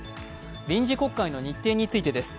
臨時国会の日程についてです。